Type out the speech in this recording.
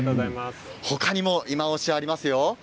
他にもいまオシ、ありますよ。